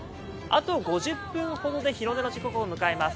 あと５０分ほどで日の出の時刻を迎えます。